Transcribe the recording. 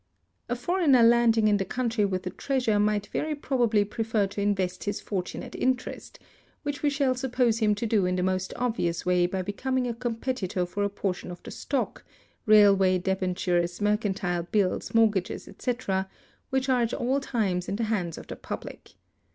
A foreigner landing in the country with a treasure might very probably prefer to invest his fortune at interest; which we shall suppose him to do in the most obvious way by becoming a competitor for a portion of the stock, railway debentures, mercantile bills, mortgages, etc., which are at all times in the hands of the public.